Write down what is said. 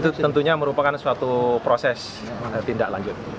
itu tentunya merupakan suatu proses tindak lanjut